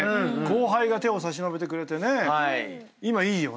後輩が手を差し伸べてくれて今いいよね。